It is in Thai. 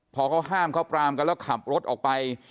พอเขาห้ามเขาปรามกันแล้วขับรถออกไป